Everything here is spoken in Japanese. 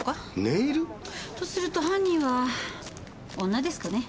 ネイル？とすると犯人は女ですかね？